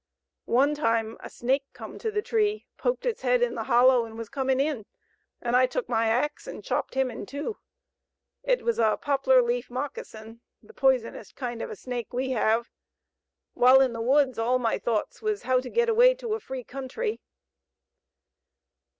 One time a snake come to the tree, poked its head in the hollow and was coming in, and I took my axe and chopped him in two. It was a poplar leaf moccasin, the poisonest kind of a snake we have. While in the woods all my thoughts was how to get away to a free country."